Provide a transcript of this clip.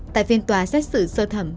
tại phiên tòa xét xử sơ thẩm